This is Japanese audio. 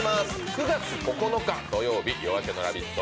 ９月９日土曜日の「夜明けのラヴィット！」